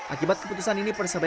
akibat keputusan ini persebaya